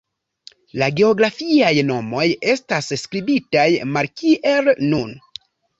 La geografiaj nomoj estas skribitaj malkiel nun.